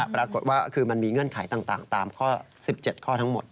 ปรากฏว่าคือมันมีเงื่อนไขต่างตามข้อ๑๗ข้อทั้งหมด